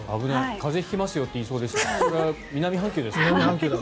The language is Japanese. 風邪引きますよって言いそうでしたが南半球ですもんね。